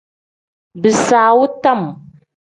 Bisaawu tam.